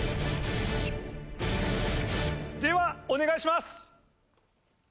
ではお願いします！